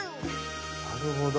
なるほど。